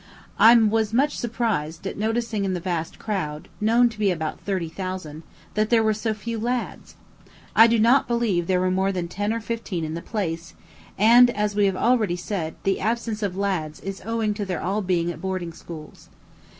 I was much surprised at noticing in the vast crowd, known to be about thirty thousand, that there were so few lads. I do not believe there were more than ten or fifteen in the palace; and, as we have already said, the absence of lads is owing to their all being at boarding schools.